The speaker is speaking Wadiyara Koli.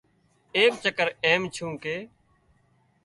ايڪ چڪر ايم ڇُون ڪي